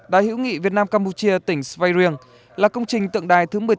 đài hữu nghị việt nam campuchia tỉnh svay rương là công trình tượng đài thứ một mươi tám